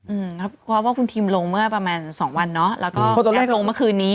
อืมครับเพราะว่าคุณทิมลงเมื่อประมาณสองวันเนอะแล้วก็ตัวเลขลงเมื่อคืนนี้